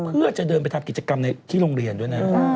เพื่อจะเดินไปทำกิจกรรมในที่โรงเรียนด้วยนะ